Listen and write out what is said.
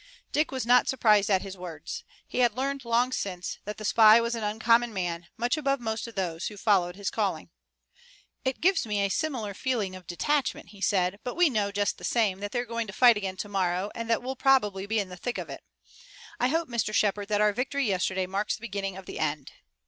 Dick was not surprised at his words. He had learned long since that the spy was an uncommon man, much above most of those who followed his calling. "It gives me a similar feeling of detachment," he said, "but we know just the same that they're going to fight again tomorrow, and that we'll probably be in the thick of it. I hope, Mr. Shepard, that our victory yesterday marks the beginning of the end."